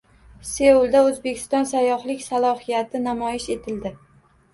Seulda O‘zbekiston sayyohlik salohiyati namoyish etildi